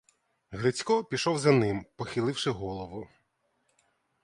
Грицько пішов за ним, похиливши голову.